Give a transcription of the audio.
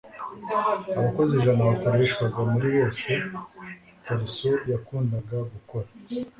abakozi ijana bakoreshwaga muri bose. ikariso yakundaga gukora